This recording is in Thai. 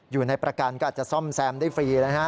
อยู่ในประกันก็อาจจะซ่อมแซมได้ฟรีนะฮะ